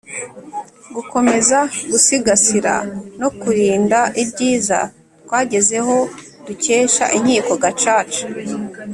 Gukomeza gusigasira no kurinda ibyiza twagezeho dukesha Inkiko Gacaca